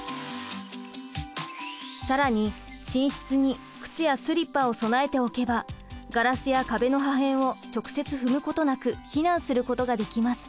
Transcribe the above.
更に寝室に靴やスリッパを備えておけばガラスや壁の破片を直接踏むことなく避難することができます。